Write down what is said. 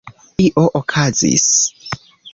Io okazis.